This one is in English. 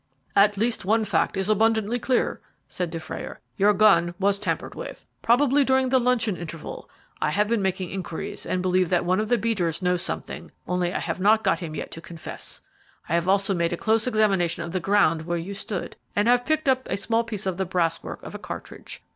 "At least one fact is abundantly clear," said Dufrayer: "your gun was tampered with, probably during the luncheon interval. I have been making inquiries, and believe that one of the beaters knows something, only I have not got him yet to confess. I have also made a close examination of the ground where you stood, and have picked up a small piece of the brasswork of a cartridge.